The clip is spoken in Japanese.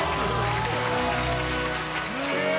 すげえ！